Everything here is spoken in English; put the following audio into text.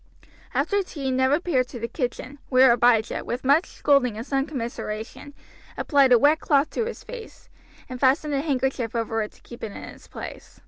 After tea Ned repaired to the kitchen, where Abijah, with much scolding and some commiseration, applied a wet cloth to his face, and fastened a handkerchief over it to keep it in its place.